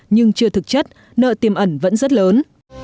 nhưng chưa thực chất nợ tiềm ẩn vẫn rất lớn